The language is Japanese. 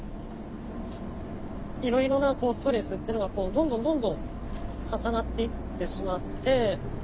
いろいろなストレスっていうのがどんどんどんどん重なっていってしまって。